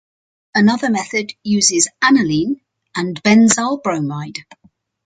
Another method uses aniline and benzyl bromide.